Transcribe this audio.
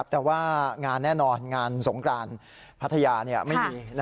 แต่ว่างานแน่นอนงานสงกรานพัทยาไม่มี